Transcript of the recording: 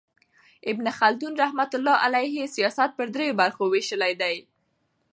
ابن خلدون رحمة الله علیه سیاست پر درو برخو ویشلی دئ.